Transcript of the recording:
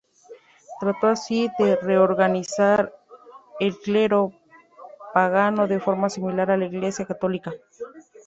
Trató así de reorganizar el clero pagano de forma similar a la Iglesia Católica.